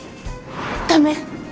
駄目。